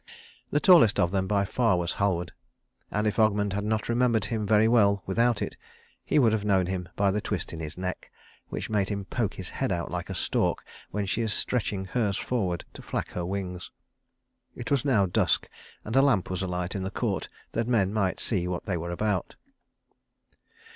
The tallest of them by far was Halward, and if Ogmund had not remembered him very well without it, he would have known him by the twist in his neck, which made him poke his head out like a stork when she is stretching hers forward to flack her wings. It was now dusk, and a lamp was alight in the court that men might see what they were about.